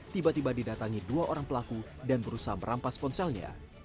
tiba tiba didatangi dua orang pelaku dan berusaha merampas ponselnya